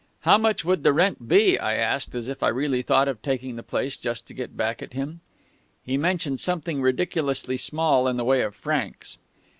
"'How much would the rent be?' I asked, as if I really thought of taking the place just to get back at him. "He mentioned something ridiculously small in the way of francs.